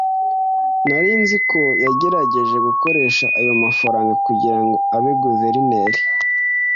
Nari nzi ko yagerageje gukoresha ayo mafaranga kugirango abe guverineri.